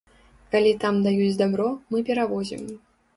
Калі там даюць дабро, мы перавозім.